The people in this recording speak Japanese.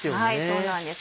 そうなんです